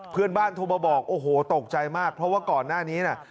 โทรมาบอกโอ้โหตกใจมากเพราะว่าก่อนหน้านี้น่ะ